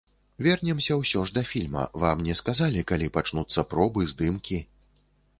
Вернемся ўсё ж да фільма, вам не сказалі, калі пачнуцца пробы, здымкі?